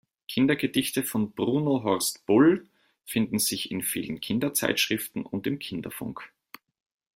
Kindergedichte von Bruno Horst Bull finden sich in vielen Kinderzeitschriften und im Kinderfunk.